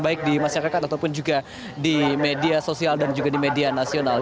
baik di masyarakat ataupun juga di media sosial dan juga di media nasional